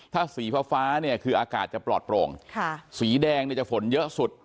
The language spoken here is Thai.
ถ้าสีฟ้าฟ้าเนี่ยคืออากาศจะปลอดโปร่งสีแดงเนี่ยจะฝนเยอะสุด